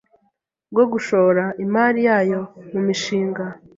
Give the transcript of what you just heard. bwo gushora imari yayo mu mishinga